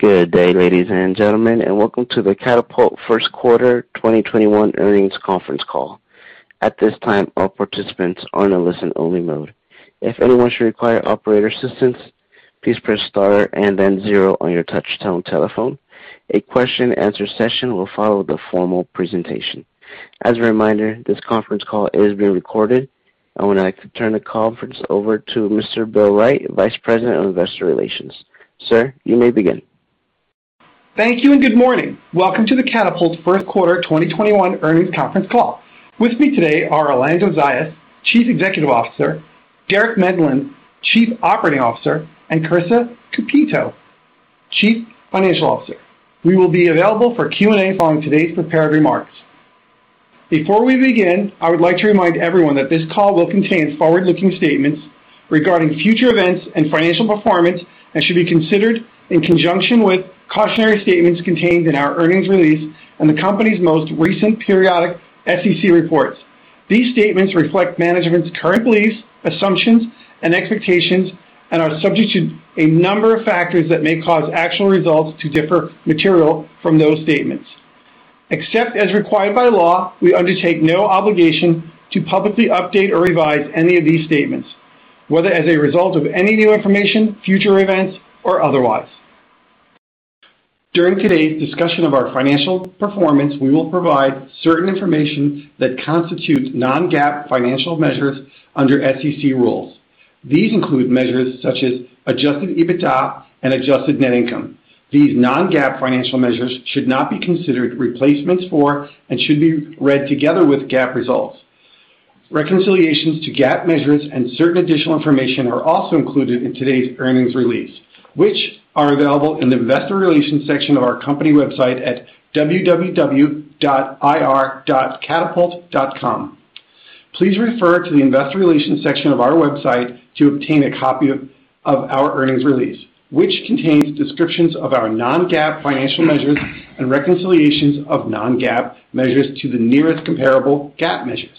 Good day, ladies and gentlemen, welcome to the Katapult first quarter 2021 earnings conference call. At this time, all participants are in a listen only mode. If anyone should require operator assistance, please press star and then zero on your touchtone telephone. A question and answer session will follow the formal presentation. As a reminder, this conference call is being recorded. I would like to turn the conference over to Mr. Bill Wright, Vice President of Investor Relations. Sir, you may begin. Thank you, good morning. Welcome to the Katapult first quarter 2021 earnings conference call. With me today are Orlando Zayas, Chief Executive Officer, Derek Medlin, Chief Operating Officer, and Karissa Cupito, Chief Financial Officer. We will be available for Q&A following today's prepared remarks. Before we begin, I would like to remind everyone that this call will contain forward-looking statements regarding future events and financial performance and should be considered in conjunction with cautionary statements contained in our earnings release and the company's most recent periodic SEC reports. These statements reflect management's current beliefs, assumptions, and expectations and are subject to a number of factors that may cause actual results to differ materially from those statements. Except as required by law, we undertake no obligation to publicly update or revise any of these statements, whether as a result of any new information, future events, or otherwise. During today's discussion of our financial performance, we will provide certain information that constitutes non-GAAP financial measures under SEC rules. These include measures such as Adjusted EBITDA and Adjusted Net Income. These non-GAAP financial measures should not be considered replacements for and should be read together with GAAP results. Reconciliations to GAAP measures and certain additional information are also included in today's earnings release, which are available in the investor relations section of our company website at www.ir.katapult.com. Please refer to the investor relations section of our website to obtain a copy of our earnings release, which contains descriptions of our non-GAAP financial measures and reconciliations of non-GAAP measures to the nearest comparable GAAP measures.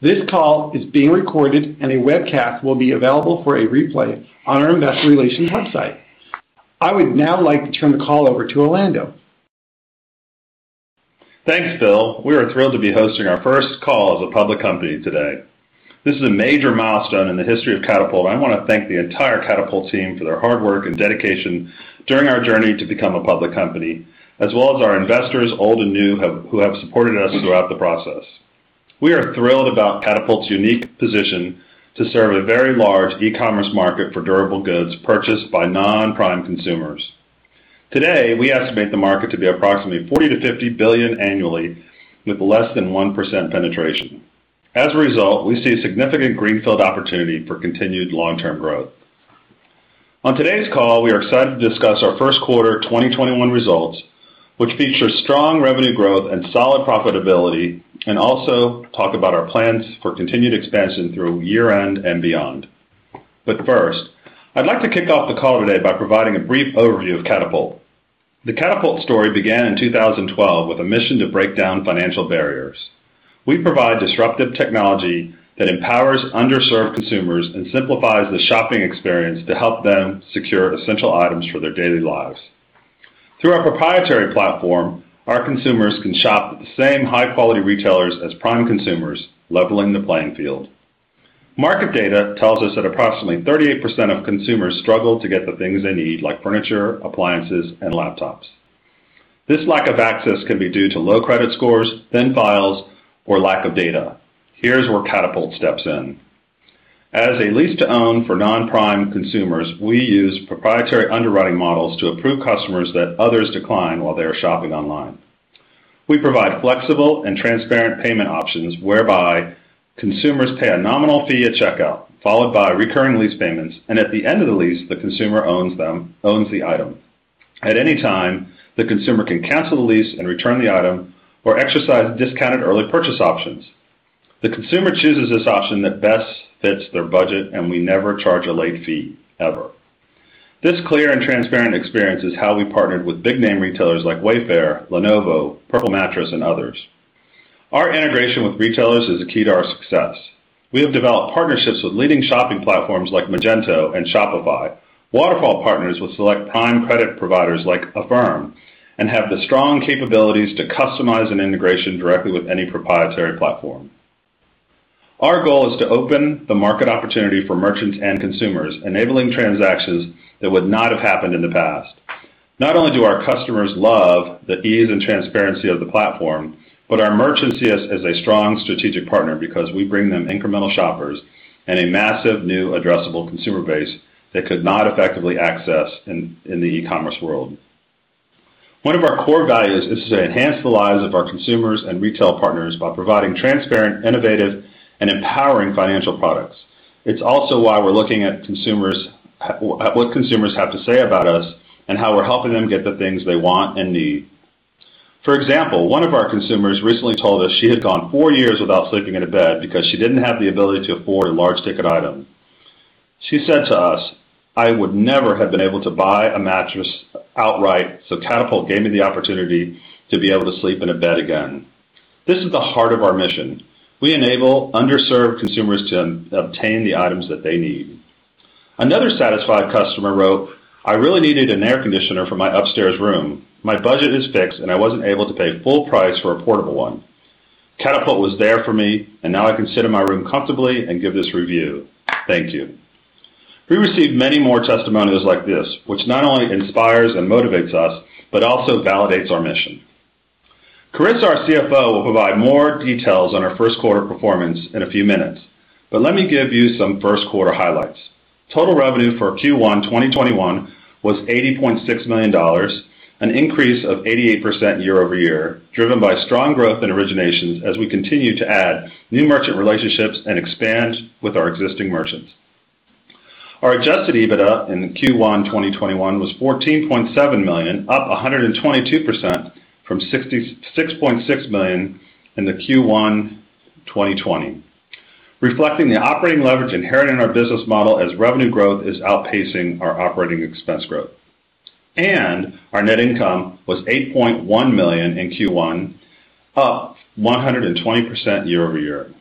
This call is being recorded, and a webcast will be available for a replay on our investor relations website. I would now like to turn the call over to Orlando. Thanks, Bill. We are thrilled to be hosting our first call as a public company today. This is a major milestone in the history of Katapult, and I want to thank the entire Katapult team for their hard work and dedication during our journey to become a public company, as well as our investors, old and new, who have supported us throughout the process. We are thrilled about Katapult's unique position to serve a very large e-commerce market for durable goods purchased by non-Prime consumers. Today, we estimate the market to be approximately $40 billion-$50 billion annually with less than 1% penetration. As a result, we see significant greenfield opportunity for continued long-term growth. On today's call, we are excited to discuss our first quarter 2021 results, which feature strong revenue growth and solid profitability, and also talk about our plans for continued expansion through year-end and beyond. First, I'd like to kick off the call today by providing a brief overview of Katapult. The Katapult story began in 2012 with a mission to break down financial barriers. We provide disruptive technology that empowers underserved consumers and simplifies the shopping experience to help them secure essential items for their daily lives. Through our proprietary platform, our consumers can shop at the same high-quality retailers as Prime consumers, leveling the playing field. Market data tells us that approximately 38% of consumers struggle to get the things they need, like furniture, appliances, and laptops. This lack of access could be due to low credit scores, thin files, or lack of data. Here's where Katapult steps in. As a lease-to-own for non-Prime consumers, we use proprietary underwriting models to approve customers that others decline while they're shopping online. We provide flexible and transparent payment options whereby consumers pay a nominal fee at checkout, followed by recurring lease payments, and at the end of the lease, the consumer owns the item. At any time, the consumer can cancel the lease and return the item or exercise discounted early purchase options. The consumer chooses this option that best fits their budget. We never charge a late fee, ever. This clear and transparent experience is how we partnered with big name retailers like Wayfair, Lenovo, Purple Mattress, and others. Our integration with retailers is a key to our success. We have developed partnerships with leading shopping platforms like Magento and Shopify, waterfall partners with select Prime credit providers like Affirm, and have the strong capabilities to customize an integration directly with any proprietary platform. Our goal is to open the market opportunity for merchants and consumers, enabling transactions that would not have happened in the past. Not only do our customers love the ease and transparency of the platform, but our merchants see us as a strong strategic partner because we bring them incremental shoppers and a massive new addressable consumer base they could not effectively access in the e-commerce world. One of our core values is to enhance the lives of our consumers and retail partners by providing transparent, innovative, and empowering financial products. It's also why we're looking at what consumers have to say about us and how we're helping them get the things they want and need. For example, one of our consumers recently told us she had gone four years without sleeping in a bed because she didn't have the ability to afford a large ticket item. She said to us, I would never have been able to buy a mattress outright, so Katapult gave me the opportunity to be able to sleep in a bed again. This is the heart of our mission. We enable underserved consumers to obtain the items that they need. Another satisfied customer wrote, "I really needed an air conditioner for my upstairs room. My budget is fixed, and I wasn't able to pay full price for a portable one. Katapult was there for me, and now I can sit in my room comfortably and give this review. Thank you. We received many more testimonials like this, which not only inspires and motivates us, but also validates our mission. Karissa, our CFO, will provide more details on our first quarter performance in a few minutes, but let me give you some first-quarter highlights. Total revenue for Q1 2021 was $80.6 million, an increase of 88% year-over-year, driven by strong growth in originations as we continue to add new merchant relationships and expand with our existing merchants. Our Adjusted EBITDA in Q1 2021 was $14.7 million, up 122% from $6.6 million in the Q1 2020, reflecting the operating leverage inherent in our business model as revenue growth is outpacing our operating expense growth. Our net income was $8.1 million in Q1, up 120% year-over-year.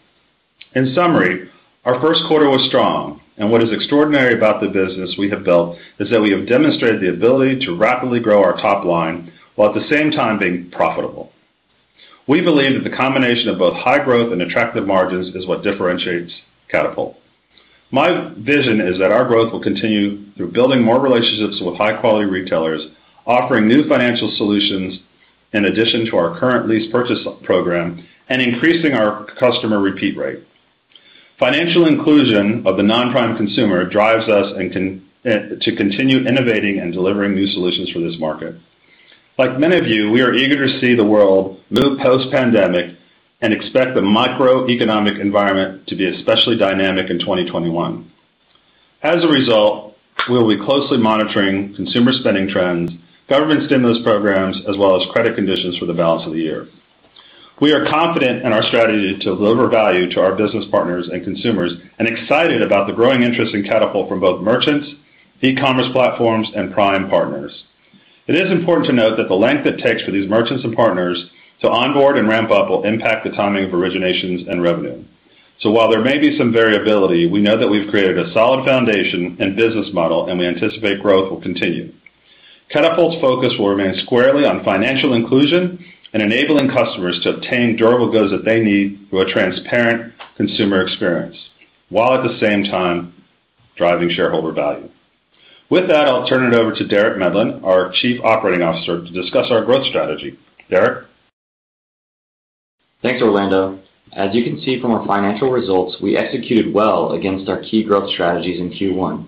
In summary, our first quarter was strong, and what is extraordinary about the business we have built is that we have demonstrated the ability to rapidly grow our top line while at the same time being profitable. We believe that the combination of both high growth and attractive margins is what differentiates Katapult. My vision is that our growth will continue through building more relationships with high-quality retailers, offering new financial solutions in addition to our current lease purchase program, and increasing our customer repeat rate. Financial inclusion of the non-prime consumer drives us to continue innovating and delivering new solutions for this market. Like many of you, we are eager to see the world move post-pandemic and expect the microeconomic environment to be especially dynamic in 2021. As a result, we'll be closely monitoring consumer spending trends, government stimulus programs, as well as credit conditions for the balance of the year. We are confident in our strategy to deliver value to our business partners and consumers and excited about the growing interest in Katapult from both merchants, e-commerce platforms, and prime partners. It is important to note that the length it takes for these merchants and partners to onboard and ramp up will impact the timing of originations and revenue. While there may be some variability, we know that we've created a solid foundation and business model, and we anticipate growth will continue. Katapult's focus will remain squarely on financial inclusion and enabling customers to obtain durable goods that they need through a transparent consumer experience while at the same time driving shareholder value. With that, I'll turn it over to Derek Medlin, our Chief Operating Officer, to discuss our growth strategy. Derek? Thanks, Orlando. As you can see from our financial results, we executed well against our key growth strategies in Q1.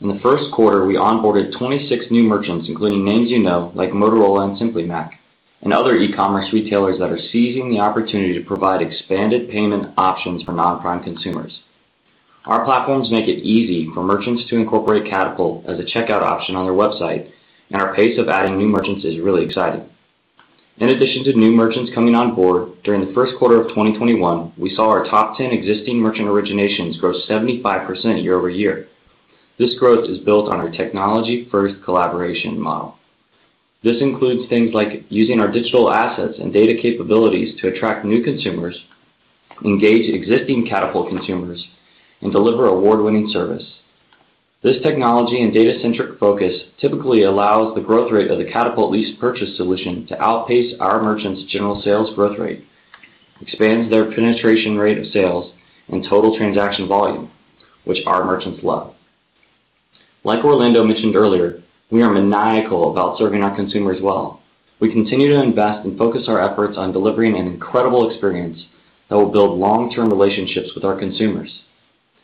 In the first quarter, we onboarded 26 new merchants, including names you know, like Motorola and Simply Mac, and other e-commerce retailers that are seizing the opportunity to provide expanded payment options for non-prime consumers. Our platforms make it easy for merchants to incorporate Katapult as a checkout option on their website. Our pace of adding new merchants is really exciting. In addition to new merchants coming on board, during the first quarter of 2021, we saw our top 10 existing merchant originations grow 75% year-over-year. This growth is built on our technology-first collaboration model. This includes things like using our digital assets and data capabilities to attract new consumers, engage existing Katapult consumers, and deliver award-winning service. This technology and data-centric focus typically allows the growth rate of the Katapult lease purchase solution to outpace our merchants' general sales growth rate, expand their penetration rate of sales and total transaction volume, which our merchants love. Like Orlando mentioned earlier, we are maniacal about serving our consumers well. We continue to invest and focus our efforts on delivering an incredible experience that will build long-term relationships with our consumers.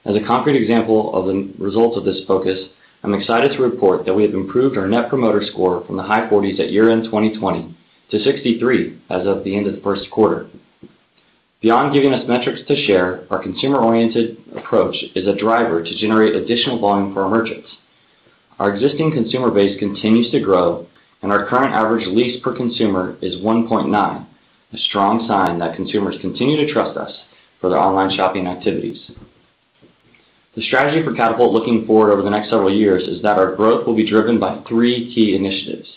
As a concrete example of the results of this focus, I'm excited to report that we've improved our Net Promoter Score from the high 40s at year-end 2020 to 63 as of the end of the first quarter. Beyond giving us metrics to share, our consumer-oriented approach is a driver to generate additional volume for our merchants. Our existing consumer base continues to grow, and our current average lease per consumer is 1.9, a strong sign that consumers continue to trust us for their online shopping activities. The strategy for Katapult looking forward over the next several years is that our growth will be driven by three key initiatives.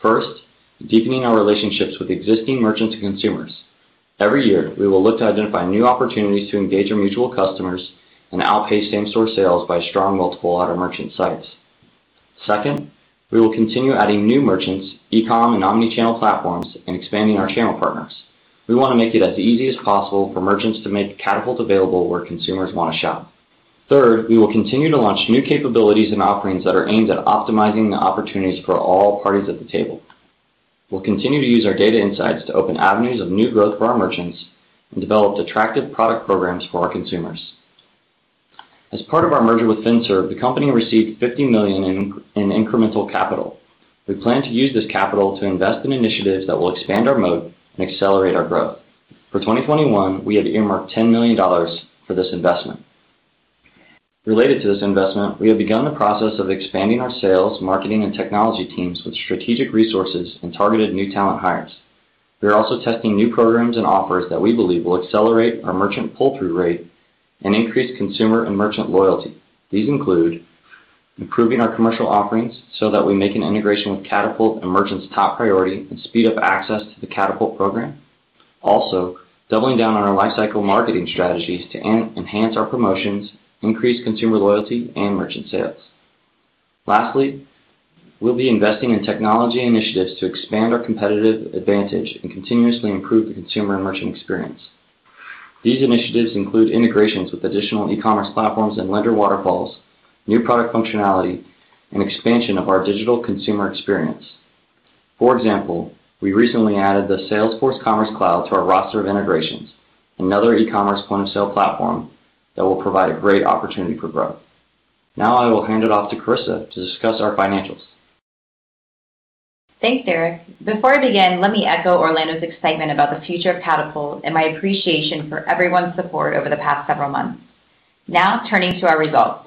First, deepening our relationships with existing merchants and consumers. Every year, we will look to identify new opportunities to engage our mutual customers and outpace same-store sales by a strong multiple at our merchant sites. Second, we will continue adding new merchants, e-com, and omnichannel platforms, and expanding our channel partners. We want to make it as easy as possible for merchants to make Katapult available where consumers want to shop. Third, we will continue to launch new capabilities and offerings that are aimed at optimizing the opportunities for all parties at the table. We'll continue to use our data insights to open avenues of new growth for our merchants and develop attractive product programs for our consumers. As part of our merger with FinServ, the company received $50 million in incremental capital. We plan to use this capital to invest in initiatives that will expand our moat and accelerate our growth. For 2021, we have earmarked $10 million for this investment. Related to this investment, we have begun the process of expanding our sales, marketing, and technology teams with strategic resources and targeted new talent hires. We are also testing new programs and offers that we believe will accelerate our merchant pull-through rate and increase consumer and merchant loyalty. These include improving our commercial offerings so that we make an integration with Katapult and merchants top priority and speed up access to the Katapult program. Also, doubling down on our lifecycle marketing strategies to enhance our promotions, increase consumer loyalty, and merchant sales. Lastly, we'll be investing in technology initiatives to expand our competitive advantage and continuously improve the consumer and merchant experience. These initiatives include integrations with additional e-commerce platforms and lender waterfalls, new product functionality, and expansion of our digital consumer experience. For example, we recently added the Salesforce Commerce Cloud to our roster of integrations, another e-commerce point-sale platform that will provide a great opportunity for growth. Now I will hand it off to Karissa to discuss our financials. Thanks, Derek. Before I begin, let me echo Orlando Zayas' excitement about the future of Katapult and my appreciation for everyone's support over the past several months. Turning to our results.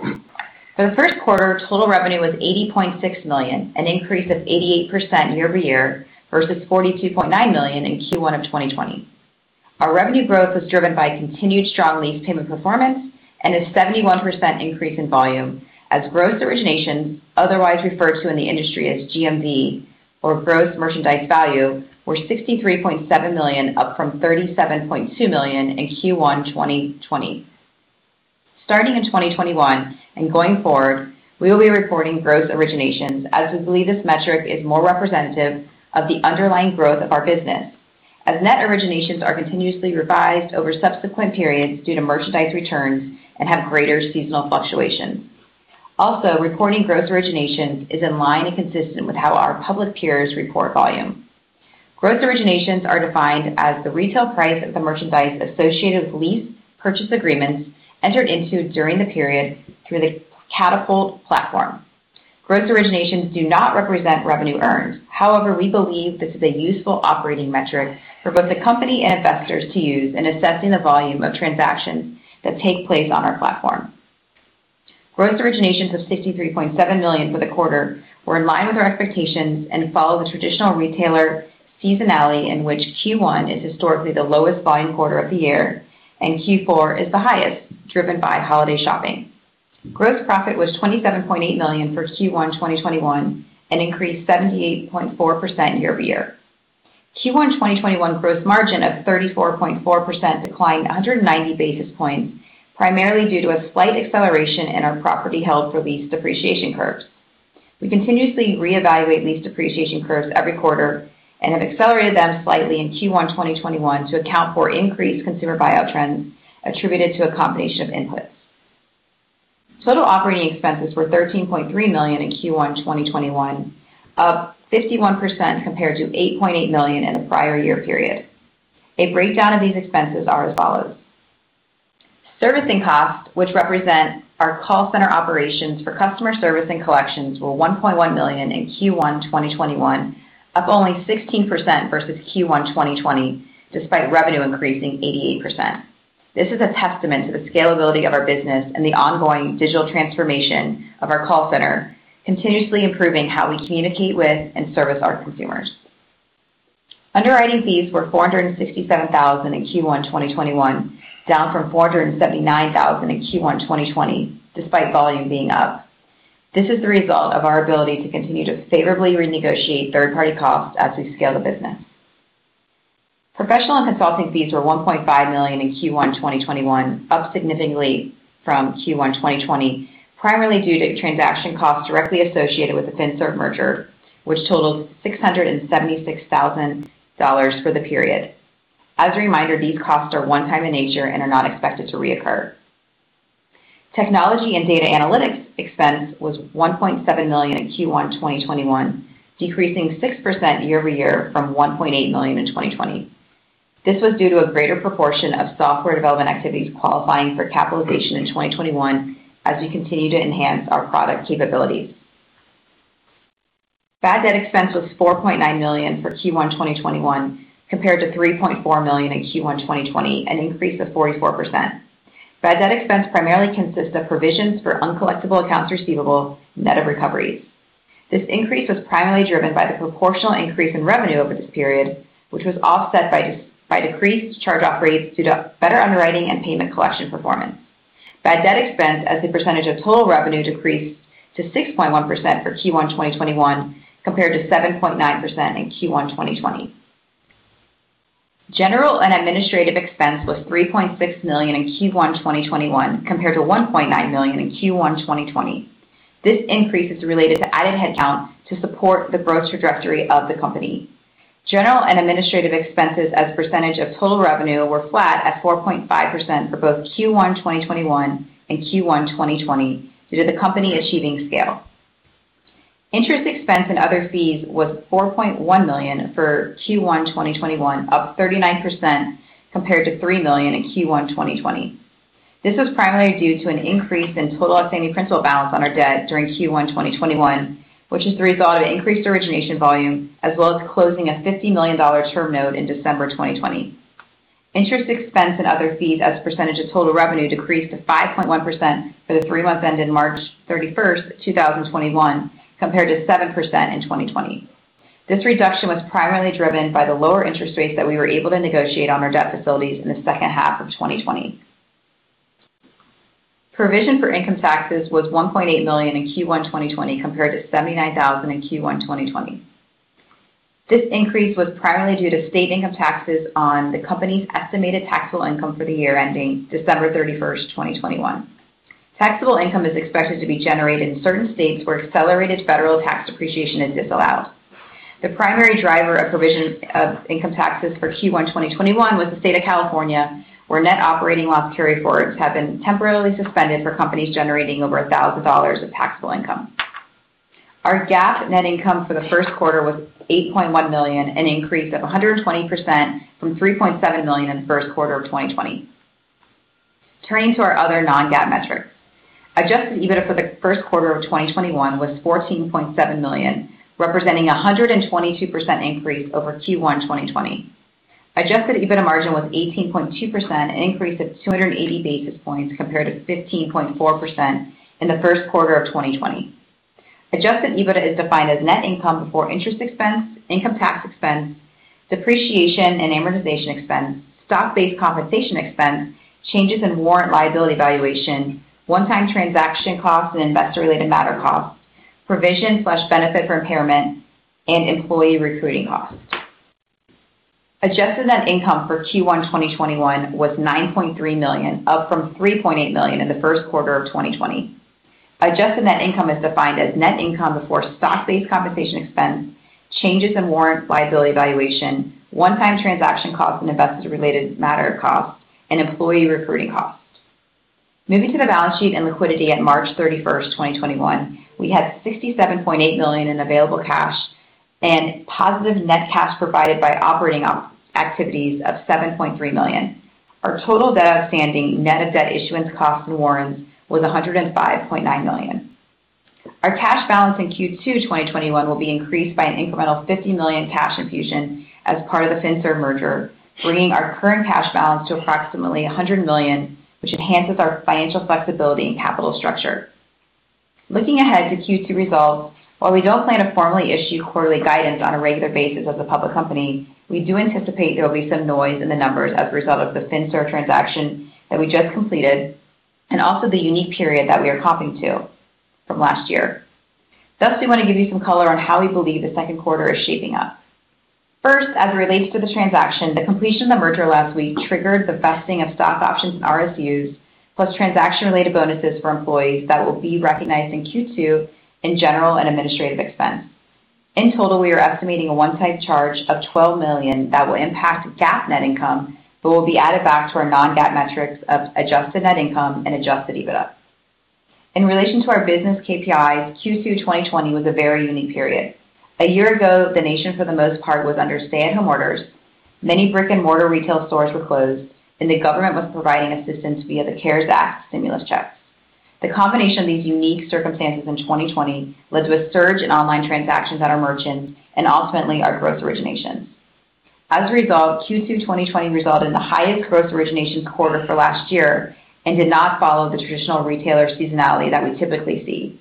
For the first quarter, total revenue was $80.6 million, an increase of 88% year-over-year versus $42.9 million in Q1 of 2020. Our revenue growth was driven by continued strong lease payment performance and a 71% increase in volume as gross originations, otherwise referred to in the industry as GMV or Gross Merchandise Value, were $63.7 million, up from $37.2 million in Q1 2020. Starting in 2021 and going forward, we will be reporting gross originations, as we believe this metric is more representative of the underlying growth of our business, as net originations are continuously revised over subsequent periods due to merchandise returns and have greater seasonal fluctuations. Reporting Gross originations is in line and consistent with how our public peers report volume. Gross originations are defined as the retail price of the merchandise associated with lease purchase agreements entered into during the period through the Katapult platform. Gross originations do not represent revenue earned. However, we believe this is a useful operating metric for both the company and investors to use in assessing the volume of transactions that take place on our platform. Gross originations of $63.7 million for the quarter were in line with our expectations and follow the traditional retailer seasonality in which Q1 is historically the lowest volume quarter of the year and Q4 is the highest, driven by holiday shopping. Gross profit was $27.8 million for Q1 2021, an increase of 78.4% year-over-year. Q1 2021 gross margin of 34.4%, declined 190 basis points, primarily due to a slight acceleration in our property held for lease depreciation curves. We continuously reevaluate lease depreciation curves every quarter and have accelerated them slightly in Q1 2021 to account for increased consumer buy-up trends attributed to a combination of inputs. Total operating expenses were $13.3 million in Q1 2021, up 51% compared to $8.8 million in the prior year period. A breakdown of these expenses are as follows. Servicing costs, which represent our call center operations for customer service and collections, were $1.1 million in Q1 2021, up only 16% versus Q1 2020, despite revenue increasing 88%. This is a testament to the scalability of our business and the ongoing digital transformation of our call center, continuously improving how we communicate with and service our consumers. Underwriting fees were $467,000 in Q1 2021, down from $479,000 in Q1 2020, despite volume being up. This is the result of our ability to continue to favorably renegotiate third-party costs as we scale the business. Professional and consulting fees were $1.5 million in Q1 2021, up significantly from Q1 2020, primarily due to transaction costs directly associated with the FinServ merger, which totaled $676,000 for the period. As a reminder, these costs are one-time in nature and are not expected to reoccur. Technology and data analytics expense was $1.7 million in Q1 2021, decreasing 6% year-over-year from $1.8 million in 2020. This was due to a greater proportion of software development activities qualifying for capitalization in 2021 as we continue to enhance our product capabilities. Bad debt expense was $4.9 million for Q1 2021 compared to $3.4 million in Q1 2020, an increase of 44%. Bad debt expense primarily consists of provisions for uncollectible accounts receivable net of recoveries. This increase was primarily driven by the proportional increase in revenue over this period, which was offset by decreased charge-offs due to better underwriting and payment collection performance. Bad debt expense as a percentage of total revenue decreased to 6.1% for Q1 2021 compared to 7.9% in Q1 2020. General and administrative expense was $3.6 million in Q1 2021 compared to $1.9 million in Q1 2020. This increase is related to added headcount to support the growth trajectory of the company. General and administrative expenses as a percentage of total revenue were flat at 4.5% for both Q1 2021 and Q1 2020 due to the company achieving scale. Interest expense and other fees was $4.1 million for Q1 2021, up 39% compared to $3 million in Q1 2020. This was primarily due to an increase in total outstanding principal balance on our debt during Q1 2021, which is the result of increased origination volume, as well as closing a $50 million term note in December 2020. Interest expense and other fees as a percentage of total revenue decreased to 5.1% for the three months ending March 31st, 2021, compared to 7% in 2020. This reduction was primarily driven by the lower interest rates that we were able to negotiate on our debt facilities in the second half of 2020. Provision for income taxes was $1.8 million in Q1 2020 compared to $79,000 in Q1 2020. This increase was primarily due to state income taxes on the company's estimated taxable income for the year ending December 31st, 2021. Taxable income is expected to be generated in certain states where accelerated federal tax depreciation is disallowed. The primary driver of provision of income taxes for Q1 2021 was the state of California, where net operating loss carryforwards have been temporarily suspended for companies generating over $1,000 of taxable income. Our GAAP net income for the first quarter was $8.1 million, an increase of 120% from $3.7 million in the first quarter of 2020. Turning to our other non-GAAP metrics. Adjusted EBITDA for the first quarter of 2021 was $14.7 million, representing 122% increase over Q1 2020. Adjusted EBITDA margin was 18.2%, an increase of 280 basis points compared to 15.4% in the first quarter of 2020. Adjusted EBITDA is defined as net income before interest expense, income tax expense, depreciation and amortization expense, stock-based compensation expense, changes in warrant liability valuation, one-time transaction costs and investor related matter costs, provision/benefit for impairment, and employee recruiting costs. Adjusted net income for Q1 2021 was $9.3 million, up from $3.8 million in the first quarter of 2020. Adjusted net income is defined as net income before stock-based compensation expense, changes in warrant liability valuation, one-time transaction costs and investors related matter costs, and employee recruiting costs. Moving to the balance sheet and liquidity at March 31st, 2021. We had $67.8 million in available cash and positive net cash provided by operating activities of $7.3 million. Our total debt outstanding, net of debt issuance cost and warrants, was $105.9 million. Our cash balance in Q2 2021 will be increased by an incremental $50 million cash infusion as part of the FinServ merger, bringing our current cash balance to approximately $100 million, which enhances our financial flexibility and capital structure. Looking ahead to Q2 results, while we don't plan to formally issue quarterly guidance on a regular basis as a public company, we do anticipate there'll be some noise in the numbers as a result of the FinServ transaction that we just completed, and also the unique period that we are comparing to from last year. Thus, we want to give you some color on how we believe the second quarter is shaping up. First, as it relates to the transaction, the completion of the merger last week triggered the vesting of stock options and RSUs, plus transaction related bonuses for employees that will be recognized in Q2 in general and administrative expense. In total, we are estimating a one-time charge of $12 million that will impact GAAP net income but will be added back to our non-GAAP metrics of Adjusted Net Income and Adjusted EBITDA. In relation to our business KPIs, Q2 2020 was a very unique period. A year ago, the nation, for the most part, was under stay-at-home orders. Many brick-and-mortar retail stores were closed, and the government was providing assistance via the CARES Act stimulus checks. The combination of these unique circumstances in 2020 led to a surge in online transactions at our merchants and ultimately our gross originations. As a result, Q2 2020 resulted in the highest gross originations quarter for last year and did not follow the traditional retailer seasonality that we typically see.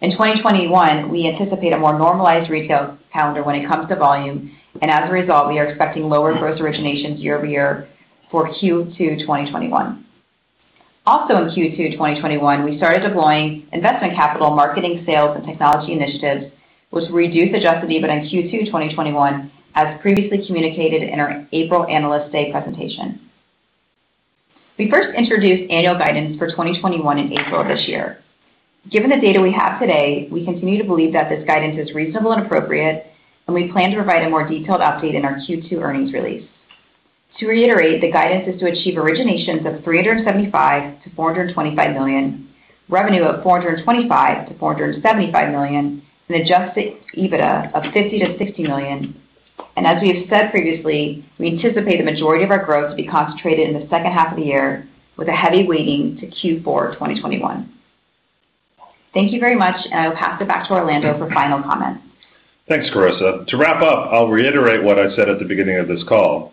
In 2021, we anticipate a more normalized retail calendar when it comes to volume, and as a result, we are expecting lower gross originations year-over-year for Q2 2021. Also in Q2 2021, we started deploying investment capital, marketing, sales, and technology initiatives, which will reduce Adjusted EBITDA in Q2 2021, as previously communicated in our April Analyst Day presentation. We first introduced annual guidance for 2021 in April of this year. Given the data we have today, we continue to believe that this guidance is reasonable and appropriate. We plan to provide a more detailed update in our Q2 earnings release. To reiterate, the guidance is to achieve originations of $375 million-$425 million, revenue of $425 million-$475 million, and Adjusted EBITDA of $50 million-$60 million. As we have said previously, we anticipate the majority of our growth to be concentrated in the second half of the year with a heavy weighting to Q4 of 2021. Thank you very much. I'll pass it back to Orlando for final comments. Thanks, Karissa. To wrap up, I'll reiterate what I said at the beginning of this call.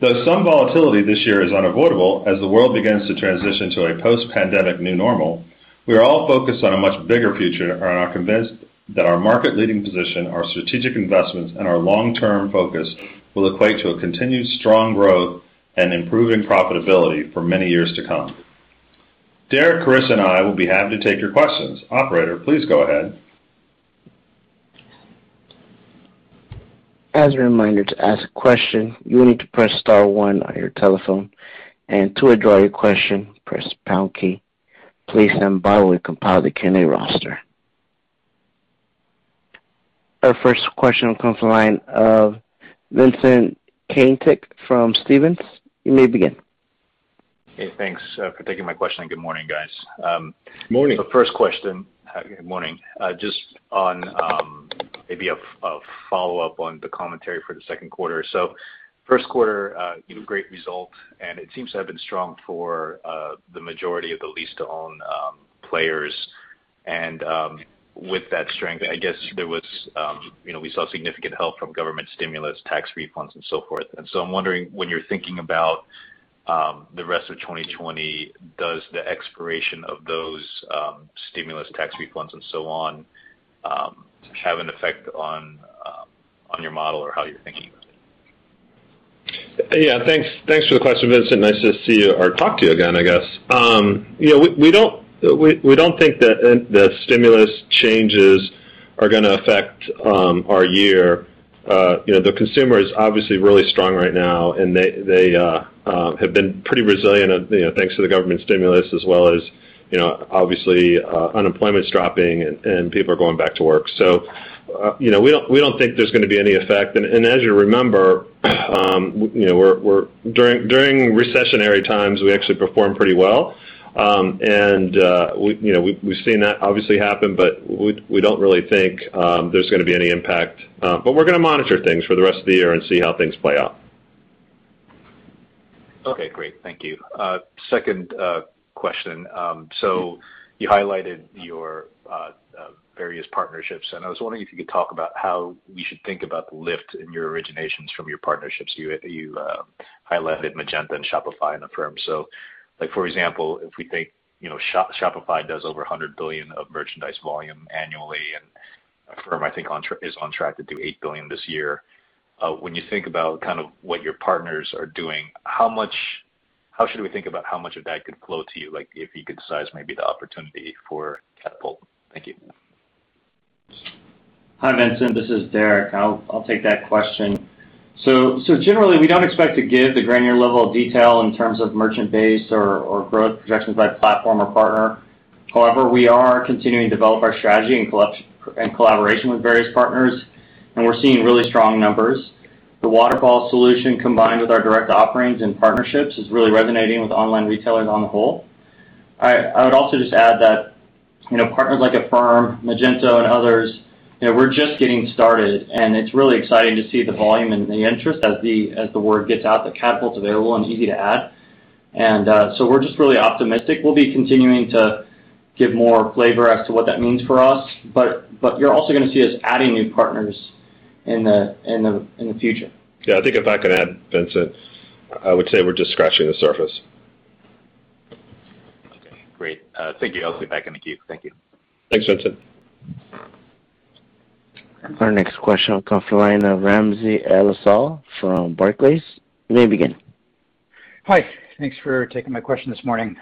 Though some volatility this year is unavoidable as the world begins to transition to a post-pandemic new normal, we are all focused on a much bigger future and are convinced that our market leading position, our strategic investments, and our long-term focus will equate to a continued strong growth and improving profitability for many years to come. Derek, Karissa, and I will be happy to take your questions. Operator, please go ahead. Our first question will come from the line of Vincent Caintic from Stephens. You may begin. Hey, thanks for taking my question. Good morning, guys. Morning. First question. Good morning. Just on maybe a follow-up on the commentary for the second quarter. First quarter, did a great result, and it seems to have been strong for the majority of the lease-to-own players. With that strength, we saw significant help from government stimulus, tax refunds, and so forth. I'm wondering, when you're thinking about the rest of 2020, does the expiration of those stimulus tax refunds and so on have an effect on your model or how you're thinking about it? Yeah. Thanks for the question, Vincent. Nice to see you or talk to you again, I guess. We don't think that stimulus changes are going to affect our year. The consumer is obviously really strong right now, and they have been pretty resilient, thanks to the government stimulus as well as obviously, unemployment's dropping and people are going back to work. We don't think there's going to be any effect. As you remember, during recessionary times, we actually perform pretty well. We've seen that obviously happen, but we don't really think there's going to be any impact. We're going to monitor things for the rest of the year and see how things play out. Okay, great. Thank you. Second question. You highlighted your various partnerships, and I was wondering if you could talk about how we should think about the lift in your originations from your partnerships. You highlighted Magento and Shopify and Affirm. For example, if we think Shopify does over $100 billion of merchandise volume annually, and Affirm, I think, is on track to do $8 billion this year. When you think about what your partners are doing, how should we think about how much of that could flow to you, if you could size maybe the opportunity for Katapult? Thank you. Hi, Vincent. This is Derek. I'll take that question. Generally, we don't expect to give the granular level of detail in terms of merchant base or growth projections by platform or partner. However, we are continuing to develop our strategy and collaboration with various partners, and we're seeing really strong numbers. The waterfall solution, combined with our direct offerings and partnerships, is really resonating with online retailing on the whole. I would also just add that partners like Affirm, Magento, and others, we're just getting started, and it's really exciting to see the volume and the interest as the word gets out that Katapult's available and easy to add. We're just really optimistic. We'll be continuing to give more flavor as to what that means for us. You're also going to see us adding new partners in the future. Yeah, I think if I could add, Vincent, I would say we're just scratching the surface. Okay, great. Thank you. I'll kick back in the queue. Thank you. Thanks, Vincent. Our next question will come from the line of Ramsey El-Assal from Barclays. You may begin. Hi. Thanks for taking my question this morning.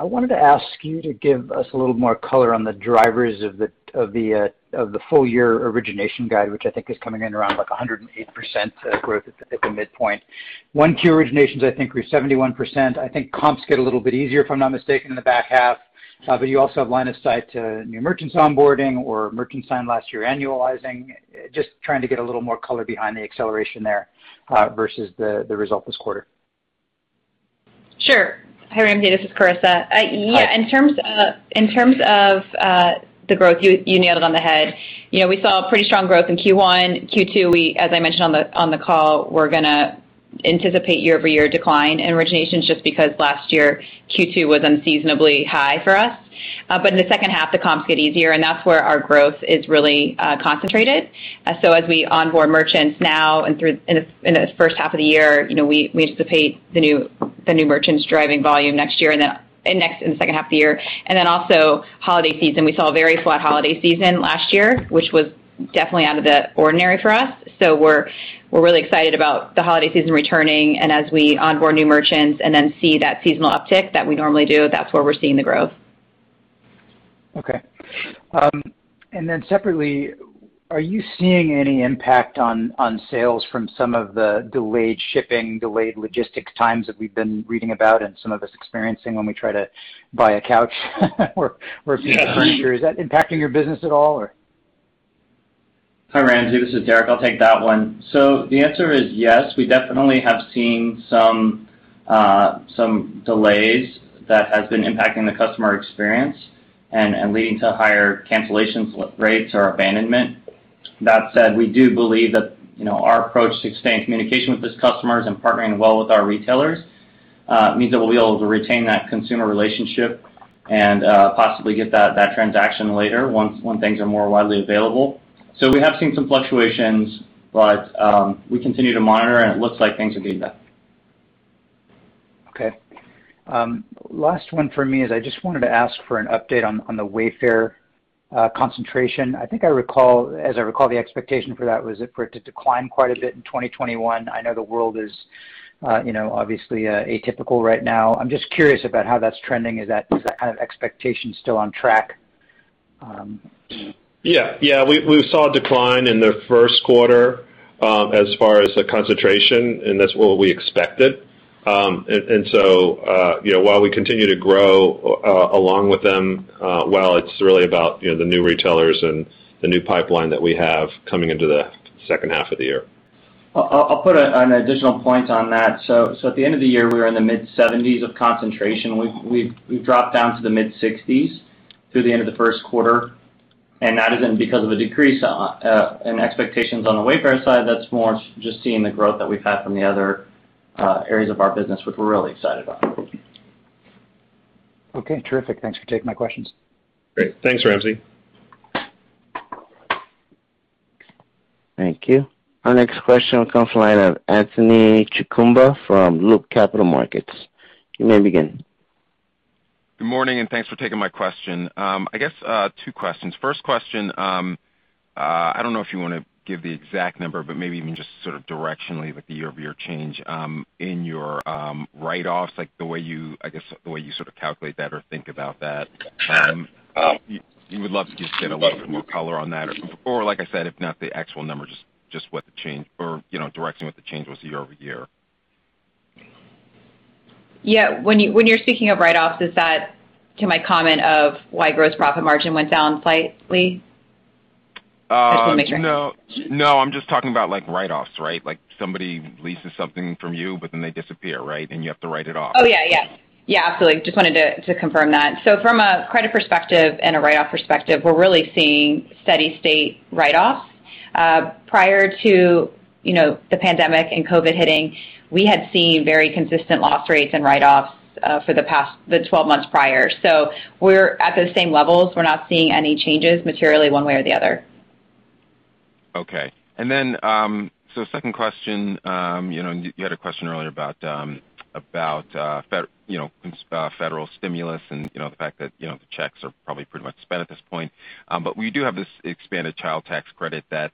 I wanted to ask you to give us a little more color on the drivers of the full-year origination guide, which I think is coming in around 108% growth at the midpoint. One, Q1 originations, I think, were 71%. I think comps get a little bit easier, if I'm not mistaken, in the back half. You also have line of sight to new merchants onboarding or merchant sign last year annualizing. Just trying to get a little more color behind the acceleration there versus the result this quarter. Sure. Hi, Ramsey, this is Karissa. In terms of the growth, you nailed it on the head. We saw pretty strong growth in Q1. Q2, as I mentioned on the call, we're going to anticipate year-over-year decline in originations just because last year, Q2 was unseasonably high for us. In the second half, the comps get easier enough where our growth is really concentrated. As we onboard merchants now in the first half of the year, we anticipate the new merchants driving volume next year in the second half of the year. Also holiday season, we saw a very flat holiday season last year, which was definitely out of the ordinary for us. We're really excited about the holiday season returning, and as we onboard new merchants and then see that seasonal uptick that we normally do, that's where we're seeing the growth. Okay. Separately, are you seeing any impact on sales from some of the delayed shipping, delayed logistics times that we've been reading about and some of us experiencing when we try to buy a couch or a few furniture? Is that impacting your business at all? Hi, Ramsey. This is Derek. I'll take that one. The answer is yes, we definitely have seen some delays that have been impacting the customer experience and leading to higher cancellation rates or abandonment. That said, we do believe that our approach to expand communication with those customers and partnering well with our retailers means that we'll be able to retain that consumer relationship and possibly get that transaction later once things are more widely available. We have seen some fluctuations, but we continue to monitor, and it looks like things are getting better. Okay. Last one for me is I just wanted to ask for an update on the Wayfair concentration. As I recall, the expectation for that was for it to decline quite a bit in 2021. I know the world is obviously atypical right now. I'm just curious about how that's trending. Is that expectation still on track? Yeah. We saw a decline in the first quarter as far as the concentration. That's what we expected. While we continue to grow along with them, while it's really about the new retailers and the new pipeline that we have coming into the second half of the year. I'll put an additional point on that. At the end of the year, we were in the mid-70s of concentration. We dropped down to the mid-60s through the end of the first quarter. That isn't because of a decrease in expectations on the Wayfair side. That's more just seeing the growth that we've had from the other areas of our business, which we're really excited about. Okay, terrific. Thanks for taking my questions. Great. Thanks, Ramsey. Thank you. Our next question comes from the line of Anthony Chukumba from Loop Capital Markets. You may begin. Good morning. Thanks for taking my question. I guess two questions. First question, I don't know if you want to give the exact number, but maybe even just directionally, like the year-over-year change in your write-offs, I guess the way you calculate that or think about that. We would love to just get a little bit more color on that. Like I said, if not the actual number, just direction what the change was year-over-year. When you're speaking of write-offs, is that to my comment of why gross profit margin went down slightly? Just want to make sure. No, I'm just talking about write-offs, right? Like somebody leases something from you, they disappear, right? You have to write it off. Yeah. Yeah. Absolutely. Just wanted to confirm that. From a credit perspective and a write-off perspective, we're really seeing steady state write-offs. Prior to the pandemic and COVID hitting, we had seen very consistent loss rates and write-offs for the 12 months prior. We're at the same levels. We're not seeing any changes materially one way or the other. Okay. Second question. You had a question earlier about federal stimulus and the fact that the checks are probably pretty much spent at this point. We do have this expanded Child Tax Credit that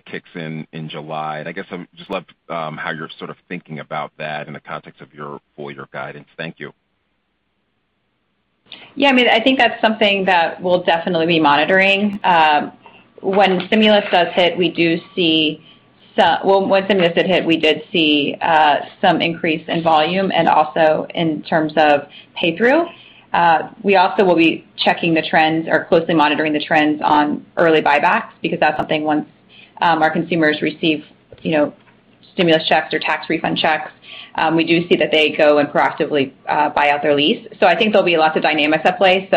kicks in July. I guess I would just love how you're sort of thinking about that in the context of your full year guidance. Thank you. I think that's something that we'll definitely be monitoring. When stimulus does hit, once the stimulus hit, we did see some increase in volume and also in terms of pay through. We also will be checking the trends or closely monitoring the trends on early buybacks because that's something once our consumers receive stimulus checks or tax refund checks, we do see that they go and proactively buy out their lease. I think there'll be lots of dynamics at play.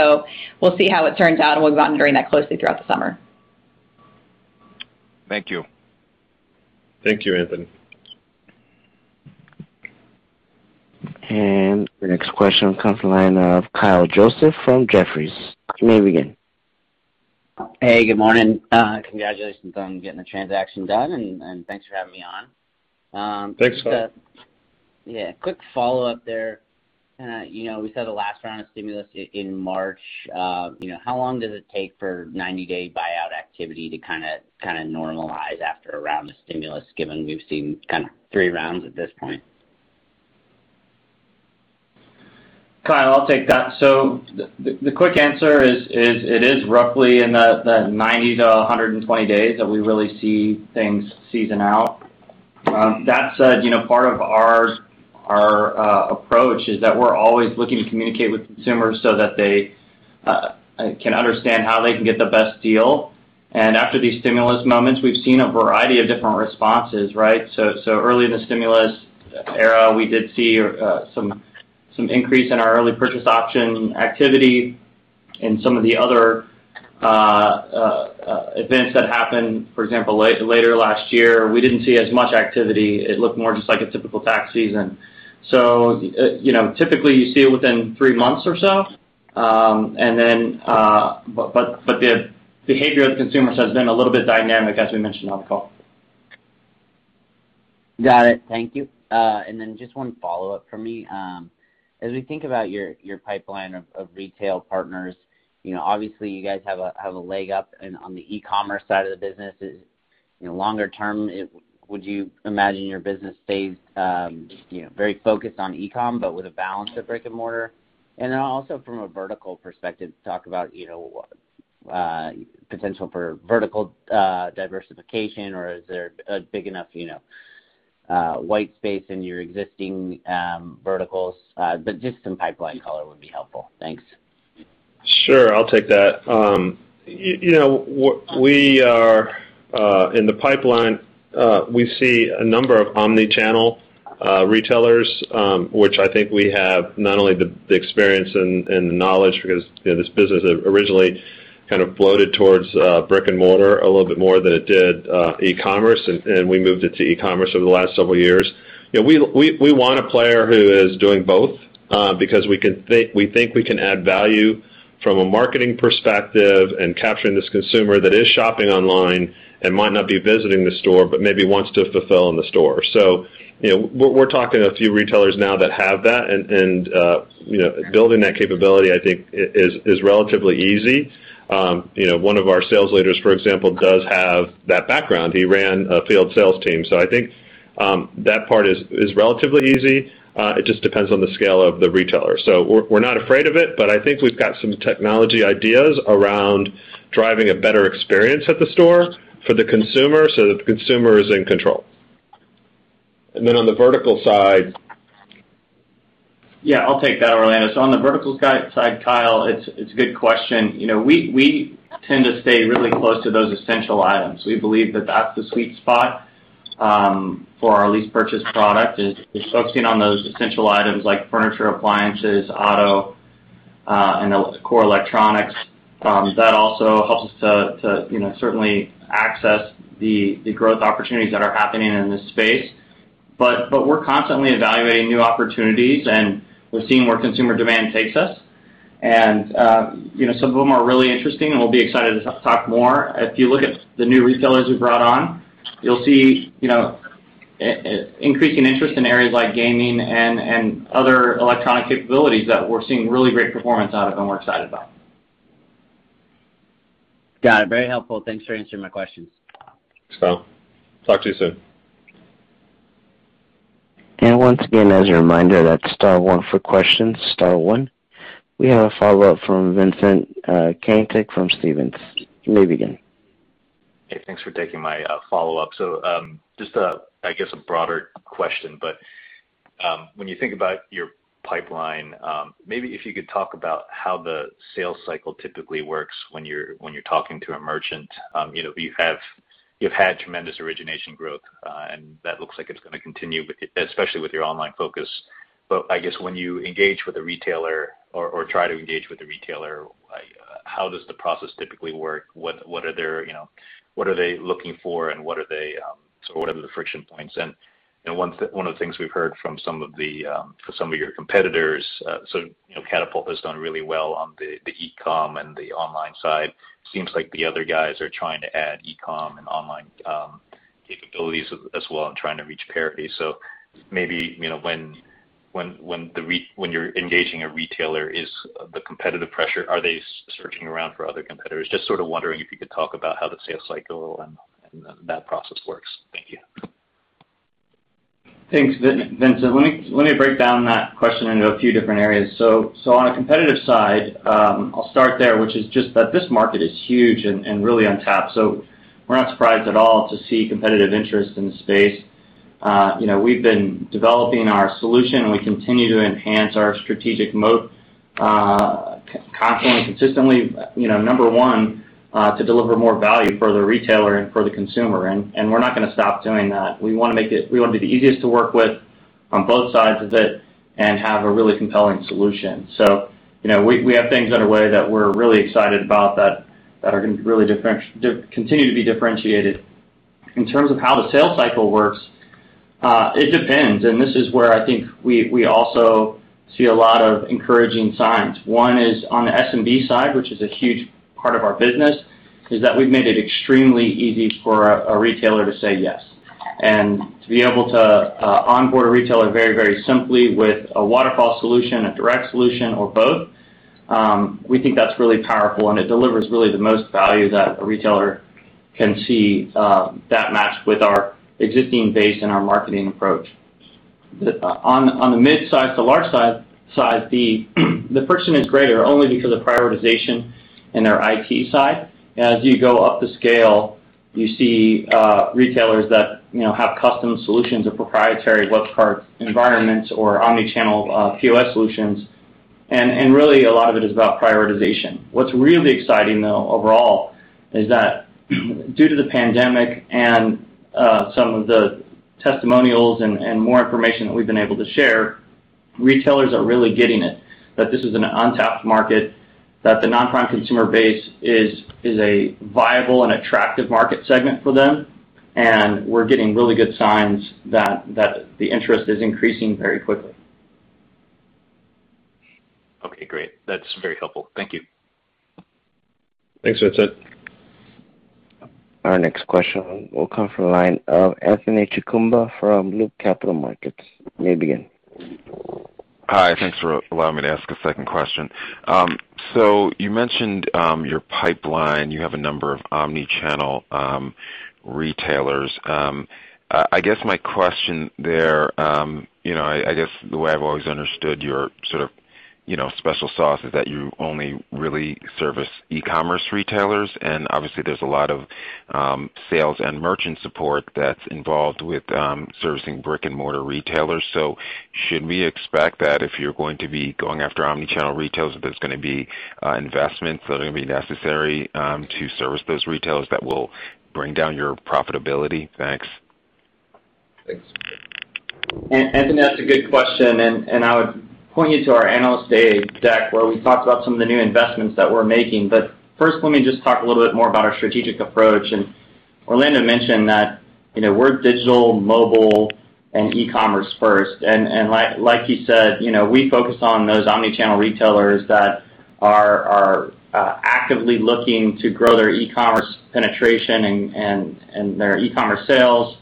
We'll see how it turns out, and we'll monitor that closely throughout the summer. Thank you. Thank you, Anthony. Our next question comes from the line of Kyle Joseph from Jefferies. You may begin. Hey, good morning. Congratulations on getting the transaction done, and thanks for having me on. Thanks Kyle. Yeah. Quick follow-up there. We saw the last round of stimulus in March. How long does it take for 90-day buyout activity to normalize after a round of stimulus, given we've seen three rounds at this point? Kyle, I'll take that. The quick answer is it is roughly in that 90 to 120 days that we really see things season out. That said, part of our approach is that we're always looking to communicate with consumers so that they can understand how they can get the best deal. After these stimulus moments, we've seen a variety of different responses, right? Early in the stimulus era, we did see some increase in our early purchase option activity. Some of the other events that happened, for example, later last year, we didn't see as much activity. It looked more just like a typical tax season. Typically you see it within three months or so. The behavior of consumers has been a little bit dynamic, as we mentioned on the call. Got it. Thank you. Then just 1 follow-up from me. As we think about your pipeline of retail partners, obviously you guys have a leg up on the e-commerce side of the business. Longer term, would you imagine your business stays very focused on e-com, but with a balance of brick-and-mortar? Then also from a vertical perspective, talk about potential for vertical diversification, or is there a big enough white space in your existing verticals? Just some pipeline color would be helpful. Thanks. Sure. I'll take that. In the pipeline, we see a number of omni-channel retailers, which I think we have not only the experience and the knowledge because this business originally kind of floated towards brick-and-mortar a little bit more than it did e-commerce, and we moved it to e-commerce over the last several years. We want a player who is doing both because we think we can add value from a marketing perspective and capturing this consumer that is shopping online and might not be visiting the store, but maybe wants to fulfill in the store. We're talking to a few retailers now that have that, and building that capability, I think, is relatively easy. 1 of our sales leaders, for example, does have that background. He ran a field sales team. I think that part is relatively easy. It just depends on the scale of the retailer. We're not afraid of it, but I think we've got some technology ideas around driving a better experience at the store for the consumer so that the consumer is in control. On the vertical side. Yeah, I'll take that, Orlando. On the vertical side, Kyle, it's a good question. We tend to stay really close to those essential items. We believe that that's the sweet spot for our lease purchase product is focusing on those essential items like furniture, appliances, auto, and core electronics. That also helps us to certainly access the growth opportunities that are happening in this space. We're constantly evaluating new opportunities, and we're seeing where consumer demand takes us. Some of them are really interesting, and we'll be excited to talk more. If you look at the new retailers we brought on, you'll see increasing interest in areas like gaming and other electronic capabilities that we're seeing really great performance out of and we're excited about. Got it. Very helpful. Thanks for answering my questions. Talk to you soon. Once again, as a reminder, that's star one for questions, star one. We have a follow-up from Vincent Caintic from Stephens. You may begin. Hey, thanks for taking my follow-up. Just, I guess, a broader question, when you think about your pipeline, maybe if you could talk about how the sales cycle typically works when you're talking to a merchant. You've had tremendous origination growth, and that looks like it's going to continue, especially with your online focus. I guess when you engage with a retailer or try to engage with a retailer, how does the process typically work? What are they looking for, and what are the friction points? One of the things we've heard from some of your competitors, Katapult has done really well on the e-com and the online side. Seems like the other guys are trying to add e-com and online capabilities as well and trying to reach parity. Maybe when you're engaging a retailer, is the competitive pressure, are they searching around for other competitors? Just sort of wondering if you could talk about how the sales cycle and that process works. Thank you. Thanks, Vincent. Let me break down that question into a few different areas. On a competitive side, I'll start there, which is just that this market is huge and really untapped. We're not surprised at all to see competitive interest in the space. We've been developing our solution, and we continue to enhance our strategic moat constantly and consistently, number one, to deliver more value for the retailer and for the consumer. We're not going to stop doing that. We want to be the easiest to work with on both sides of it and have a really compelling solution. We have things underway that we're really excited about that are going to really continue to be differentiated. In terms of how the sales cycle works, it depends, and this is where I think we also see a lot of encouraging signs. One is on the SMB side, which is a huge part of our business, is that we've made it extremely easy for a retailer to say yes. To be able to onboard a retailer very simply with a waterfall solution, a direct solution, or both, we think that's really powerful, and it delivers really the most value that a retailer can see that match with our existing base and our marketing approach. On the midsize to large size, the friction is greater only because of prioritization and their IT side. As you go up the scale, you see retailers that have custom solutions or proprietary web cart environments or omni-channel POS solutions, and really a lot of it is about prioritization. What's really exciting, though, overall, is that due to the pandemic and some of the testimonials and more information that we've been able to share, retailers are really getting it, that this is an untapped market, that the non-prime consumer base is a viable and attractive market segment for them, and we're getting really good signs that the interest is increasing very quickly. Okay, great. That's very helpful. Thank you. Thanks, Vincent. Our next question will come from the line of Anthony Chukumba from Loop Capital Markets. You may begin. Hi. Thanks for allowing me to ask a second question. You mentioned your pipeline. You have a number of omni-channel retailers. I guess my question there, the way I've always understood your sort of special sauce is that you only really service e-commerce retailers, and obviously there's a lot of sales and merchant support that's involved with servicing brick-and-mortar retailers. Should we expect that if you're going to be going after omni-channel retailers, there's going to be investments that are going to be necessary to service those retailers that will bring down your profitability? Thanks. Thanks. Anthony, that's a good question. I would point you to our Analyst Day deck where we talked about some of the new investments that we're making. First, let me just talk a little bit more about our strategic approach. Orlando mentioned that we're digital, mobile, and e-commerce first. Like you said, we focus on those omni-channel retailers that are actively looking to grow their e-commerce penetration and their e-commerce sales,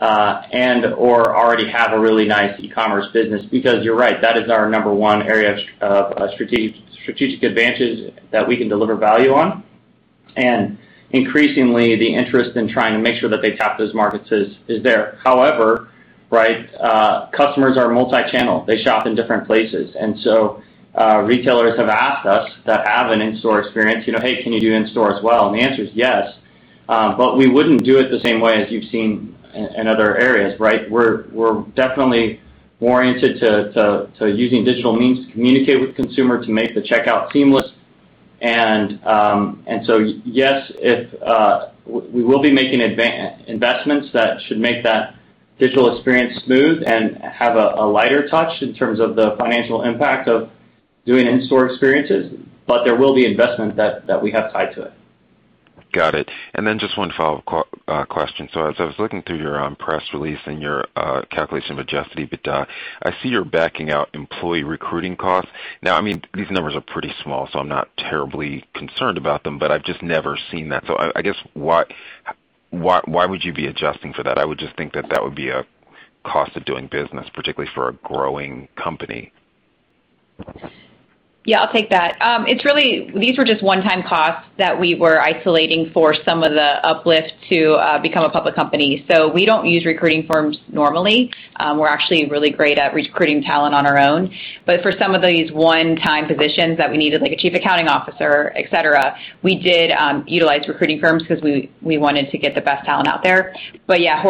and/or already have a really nice e-commerce business. You're right, that is our number one area of strategic advantages that we can deliver value on. Increasingly, the interest in trying to make sure that they tap those markets is there. However, customers are multi-channel. They shop in different places. Retailers have asked us to have an in-store experience, hey, can you do in-store as well? The answer is yes. We wouldn't do it the same way as you've seen in other areas, right? We're definitely more oriented to using digital means to communicate with consumers to make the checkout seamless. Yes, we will be making investments that should make that digital experience smooth and have a lighter touch in terms of the financial impact of doing in-store experiences. There will be investments that we have tied to it. Got it. Just one follow-up question. As I was looking through your press release and your calculation of Adjusted EBITDA, I see you're backing out employee recruiting costs. Now, I mean, these numbers are pretty small, so I'm not terribly concerned about them, but I've just never seen that. I guess, why would you be adjusting for that? I would just think that that would be a cost of doing business, particularly for a growing company. Yeah, I'll take that. These were just one-time costs that we were isolating for some of the uplift to become a public company. We don't use recruiting firms normally. We're actually really great at recruiting talent on our own. For some of these one-time positions that we needed, like chief accounting officer, et cetera, we did utilize recruiting firms because we wanted to get the best talent out there. Yeah,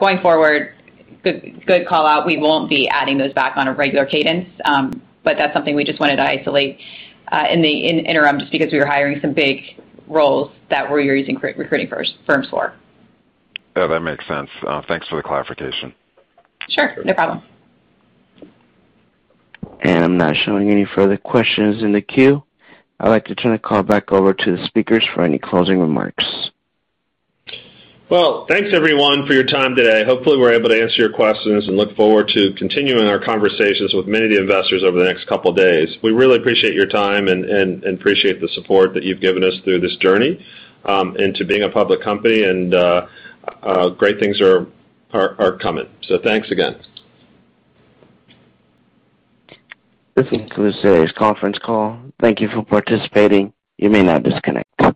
going forward, good call out. We won't be adding those back on a regular cadence. That's something we just wanted to isolate in the interim just because we were hiring some big roles that we were using recruiting firms for. Yeah, that makes sense. Thanks for the clarification. Sure, no problem. I'm not showing any further questions in the queue. I'd like to turn the call back over to the speakers for any closing remarks. Well, thanks everyone for your time today. Hopefully, we were able to answer your questions and look forward to continuing our conversations with many of the investors over the next couple of days. We really appreciate your time and appreciate the support that you've given us through this journey into being a public company, and great things are coming. Thanks again. This concludes today's conference call. Thank you for participating. You may now disconnect.